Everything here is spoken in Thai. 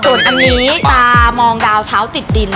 ส่วนอันนี้ตามองดาวเท้าติดดิน